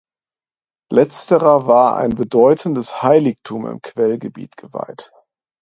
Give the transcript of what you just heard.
Letzterer war ein bedeutendes Heiligtum im Quellgebiet geweiht.